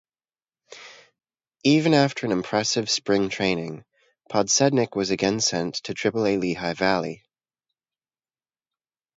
Even after an impressive Spring training, Podsednik was again sent to Triple-A Lehigh Valley.